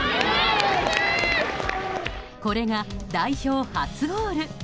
これが代表初ゴール！